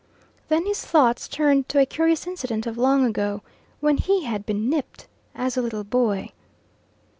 Then his thoughts turned to a curious incident of long ago, when he had been "nipped" as a little boy.